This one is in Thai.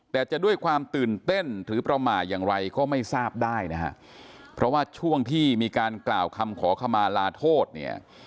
แต่จะด้วยความตื่นเต้นหรือประมาทอย่างไรก็ไม่ทราบได้นะฮะเพราะว่าช่วงที่มีการกล่าวคำขอขมาลาโทษเนี่ย